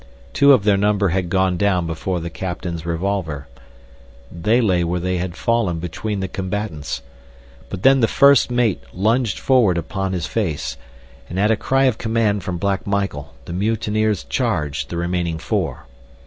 Two of their number had gone down before the captain's revolver. They lay where they had fallen between the combatants. But then the first mate lunged forward upon his face, and at a cry of command from Black Michael the mutineers charged the remaining four.